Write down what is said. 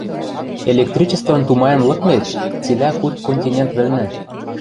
элекричествым тумаен лыкмет, цилӓ куд континент вӹлнӹ